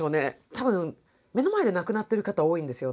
たぶん目の前で亡くなっている方多いんですよ